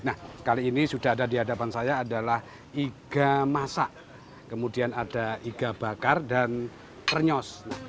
nah kali ini sudah ada di hadapan saya adalah iga masak kemudian ada iga bakar dan krenyos